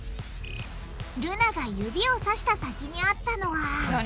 ルナが指をさした先にあったのは何？